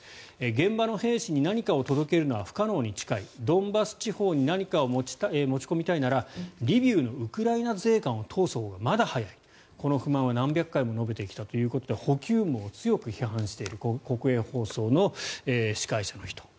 現場の兵士に何かを届けるのは不可能に近いドンバス地方に何かを持ち込みたいならリビウのウクライナ税関を通すほうがまだ早いこの不満は何百回も述べてきたということで補給網を強く批判している国営放送の司会者の人。